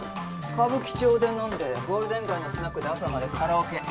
歌舞伎町で飲んでゴールデン街のスナックで朝までカラオケ。